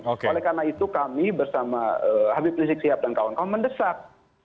oleh karena itu kami bersama habib rizieq siap dan kawan kami mendesak